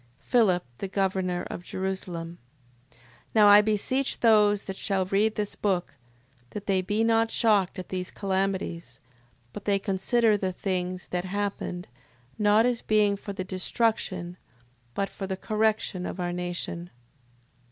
Philip... The governor of Jerusalem. 6:12. Now I beseech those that shall read this book, that they be not shocked at these calamities, but that they consider the things that happened, not as being for the destruction, but for the correction of our nation.